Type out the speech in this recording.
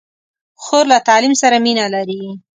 خور له تعلیم سره مینه لري.